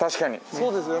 そうですよね。